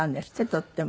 とっても。